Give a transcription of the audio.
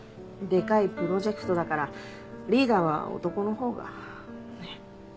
デカいプロジェクトだからリーダーは男のほうがねっ。